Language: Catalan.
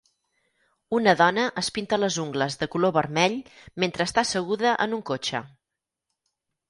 Una dona es pinta les ungles de color vermell mentre està asseguda en un cotxe.